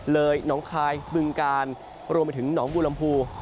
น้องคายบึงกาลรวมไปถึงหนองบัวลำพู